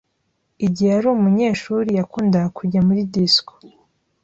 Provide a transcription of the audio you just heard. Igihe yari umunyeshuri, yakundaga kujya muri disco.